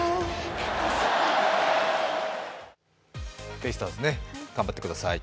ベイスターズ頑張ってください。